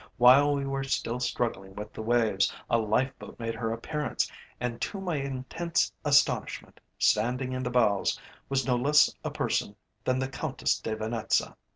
While we were still struggling with the waves, a life boat made her appearance, and, to my intense astonishment, standing in the bows was no less a person than the Countess De Venetza.